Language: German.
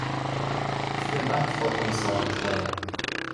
Vielen Dank, Frau Kommissarin Schreyer!